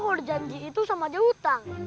kalau dijanji itu sama aja utang